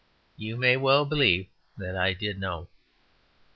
You may well believe that I did know.